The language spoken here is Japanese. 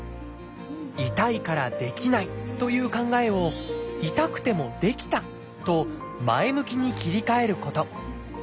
「痛いからできない」という考えを「痛くてもできた」と前向きに切り替えること。